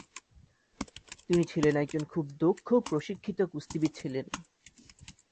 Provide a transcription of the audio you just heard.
তিনি ছিলেন একজন খুব দক্ষ প্রশিক্ষিত কুস্তিবিদ ছিলেন।